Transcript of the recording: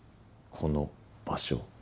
「この」「場所」